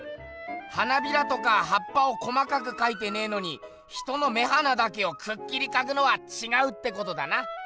花びらとかはっぱを細かくかいてねえのに人の目鼻だけをくっきりかくのはちがうってことだな。